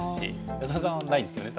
安田さんはないですよね